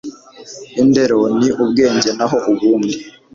indero ni ubwenge naho ubundi